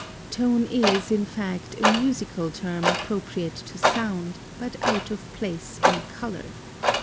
Tone is, in fact, a musical term appropriate to sound, but out of place in color.